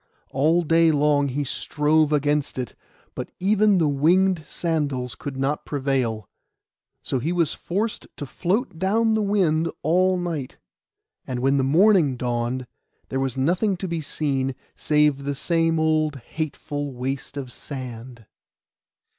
All day long he strove against it; but even the winged sandals could not prevail. So he was forced to float down the wind all night; and when the morning dawned there was nothing to be seen, save the same old hateful waste of sand.